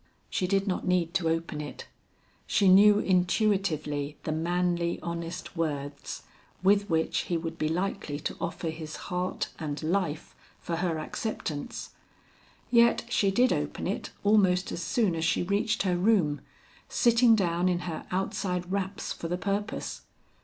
She did not need to open it. She knew intuitively the manly honest words with which he would be likely to offer his heart and life for her acceptance; yet she did open it almost as soon as she reached her room, sitting down in her outside wraps for the purpose.